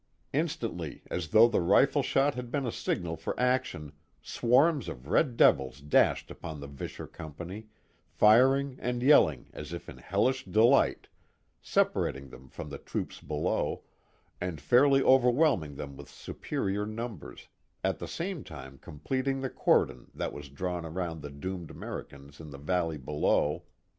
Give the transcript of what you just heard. Instantiv, as though the rifle shot had been a signal for action, swarms of red devils dashed upon the Visscher company, firing and yelling as if in hellish delight, separating them from the troops below, and fairly overwhelming them with superior numbers, at the same time completing the cordon that was drawn around the doomed Americans in the valley below.